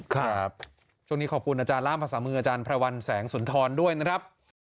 ครับช่วงนี้ขอบคุณอาจารย์ล่ามภาษามืออาจารย์พระวันแสงสุนทรด้วยนะครับ